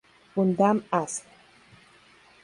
Gundam Ace